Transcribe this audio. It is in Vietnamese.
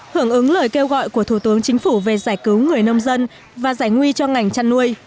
hưởng ứng lời kêu gọi của thủ tướng chính phủ về giải cứu người nông dân và giải nguy cho ngành chăn nuôi